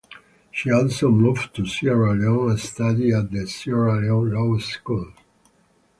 She also moved to Sierra Leone and studied at the Sierra Leone Law School.